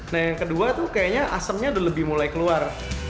nah yang kedua tuh kayaknya asemnya udah lebih mulai keluar